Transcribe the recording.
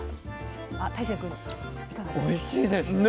大聖くんいかがですか？